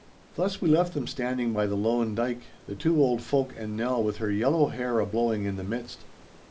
Thus we left them standing by the loan dyke, the two old folk and Nell with her yellow hair a blowing in the midst.